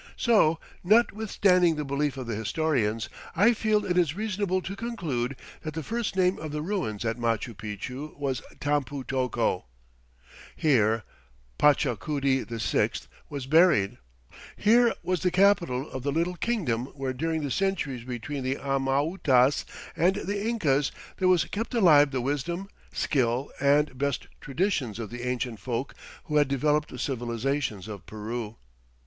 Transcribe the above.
So, notwithstanding the belief of the historians, I feel it is reasonable to conclude that the first name of the ruins at Machu Picchu was Tampu tocco. Here Pachacuti VI was buried; here was the capital of the little kingdom where during the centuries between the Amautas and the Incas there was kept alive the wisdom, skill, and best traditions of the ancient folk who had developed the civilization of Peru.